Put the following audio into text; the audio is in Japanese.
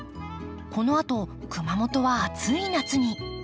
このあと熊本は暑い夏に。